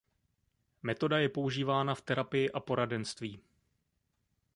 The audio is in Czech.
Metoda je používána v terapii a poradenství.